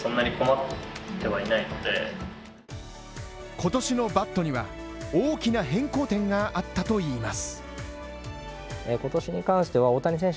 今年のバットには大きな変更点があったといいます。